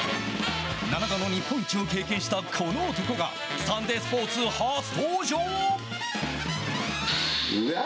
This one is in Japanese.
７度の日本一を経験したこの男がサンデースポーツ初登場。